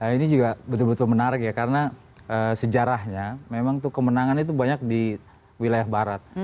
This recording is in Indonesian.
ini juga betul betul menarik ya karena sejarahnya memang tuh kemenangan itu banyak di wilayah barat